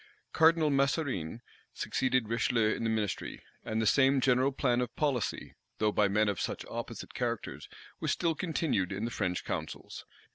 Cardinal Mazarine succeeded Richelieu in the ministry; and the same general plan of policy, though by men of such opposite characters, was still continued in the French councils.